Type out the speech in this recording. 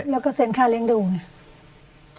แล้วก็เซ็นค่าเลี้ยงดูไง